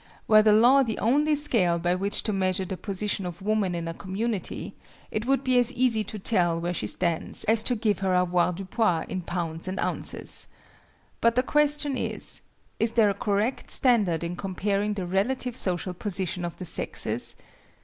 Were the law the only scale by which to measure the position of woman in a community, it would be as easy to tell where she stands as to give her avoirdupois in pounds and ounces. But the question is: Is there a correct standard in comparing the relative social position of the sexes?